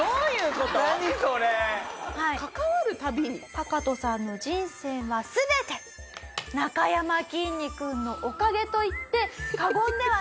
タカトさんの人生は全てなかやまきんに君のおかげと言って過言ではない。